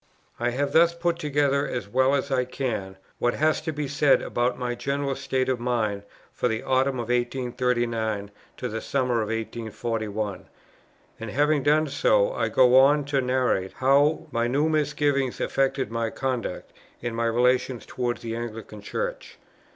I have thus put together, as well as I can, what has to be said about my general state of mind from the autumn of 1839 to the summer of 1841; and, having done so, I go on to narrate how my new misgivings affected my conduct, and my relations towards the Anglican Church.